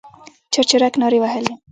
چرچرک نارې وهلې.